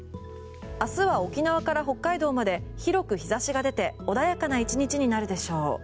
明日は沖縄から北海道まで広く日差しが出て穏やかな１日になるでしょう。